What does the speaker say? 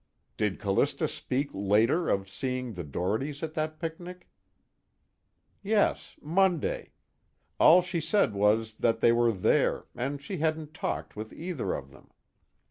"Did Callista speak later of seeing the Dohertys at that picnic?" "Yes, Monday. All she said was that they were there, and she hadn't talked with either of them.